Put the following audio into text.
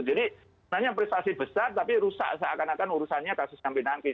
jadi sebenarnya prestasi besar tapi rusak seakan akan urusannya kasus pinanggi